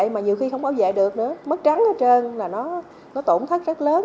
mà nhiều khi không bảo vệ được nữa mất trắng hết trơn là nó tổn thất rất lớn